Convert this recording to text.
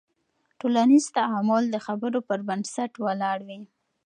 ټولنیز تعامل د خبرو پر بنسټ ولاړ وي.